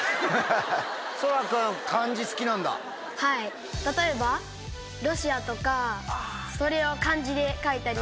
はい例えば。とかそれを漢字で書いたり。